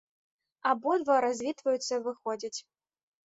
Абодва развітваюцца і выходзяць.